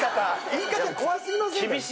言い方怖過ぎませんか？